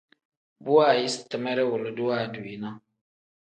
Bu waayisi timere wilidu waadu yi ne.